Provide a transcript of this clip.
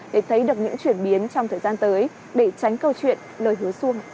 để thấy được những chuyển biến trong thời gian tới để tránh câu chuyện lời hứa xuông